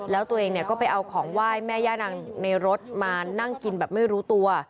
แล้วตัวเองเนี่ยก็ไปเอาของไหว้แม่ย่านางในรถมานั่งกินแบบไม่รู้ตัว